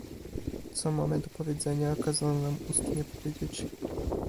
"Co mamy do powiedzenia, kazano nam ustnie powiedzieć."